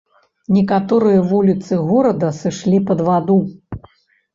Некаторыя вуліцы горада сышлі пад ваду.